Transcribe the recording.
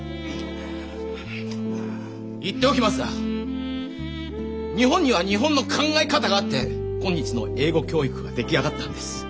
言っておきますが日本には日本の考え方があって今日の英語教育が出来上がったんです。